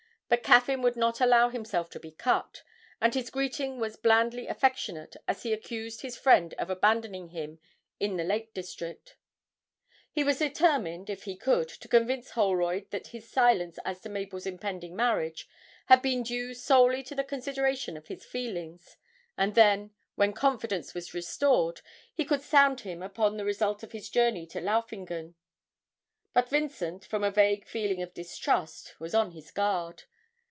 But Caffyn would not allow himself to be cut, and his greeting was blandly affectionate as he accused his friend of abandoning him up in the Lake district; he was determined, if he could, to convince Holroyd that his silence as to Mabel's impending marriage had been due solely to consideration for his feelings, and then, when confidence was restored, he could sound him upon the result of his journey to Laufingen. But Vincent, from a vague feeling of distrust, was on his guard.